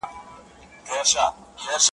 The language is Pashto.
او تر آس نه یم په لس ځله غښتلی `